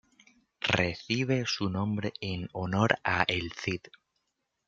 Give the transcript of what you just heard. Recibe su nombre en honor a El Cid.